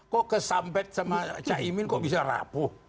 kok kesambet sama cah imin kok bisa rapuh